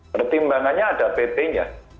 pertimbangannya ada pp nya